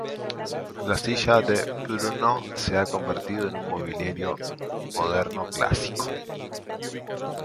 La silla de Brno se ha convertido en un mobiliario moderno clásico.